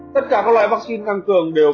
tất cả các loại vắc xin tăng cường đều